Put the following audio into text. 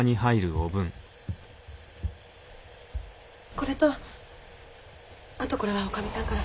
これとあとこれは女将さんから。